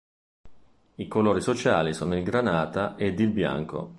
I colori sociali sono il granata ed il bianco.